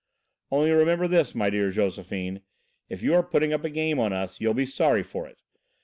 "Only, remember this, my dear Josephine, if you are putting up a game on us you'll be sorry for it.